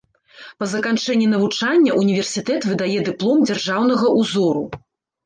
Па заканчэнні навучання ўніверсітэт выдае дыплом дзяржаўнага ўзору.